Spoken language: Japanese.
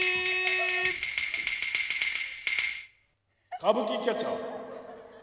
「歌舞伎キャッチャー」。